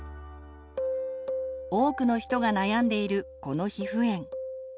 多くの人が悩んでいるこの皮膚炎。